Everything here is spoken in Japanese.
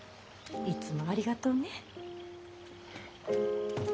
いつもありがとうね。